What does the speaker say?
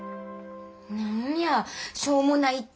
何やしょうもないって！